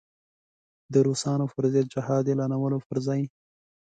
د روسانو پر ضد جهاد اعلانولو پر ځای.